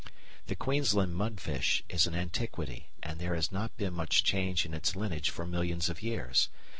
The Queensland mudfish is an antiquity, and there has not been much change in its lineage for millions of years.